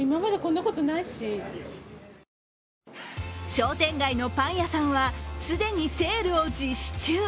商店街のパン屋さんは既にセールを実施中。